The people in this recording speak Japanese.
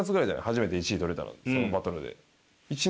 初めて１位とれたのそのバトルで。